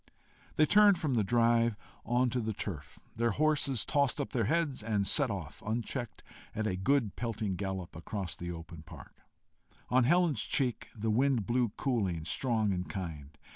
They turned from the drive on to the turf. Their horses tossed up their heads, and set off, unchecked, at a good pelting gallop, across the open park. On Helen's cheek the wind blew cooling, strong, and kind.